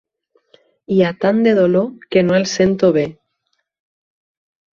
Hi ha tant de dolor que no el sento bé.